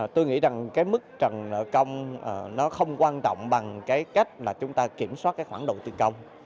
tôi nghĩ rằng cái mức trần nợ công nó không quan trọng bằng cái cách là chúng ta kiểm soát cái khoản đầu tư công